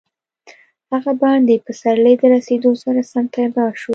هغه بڼ د پسرلي د رسېدو سره سم تباه شو.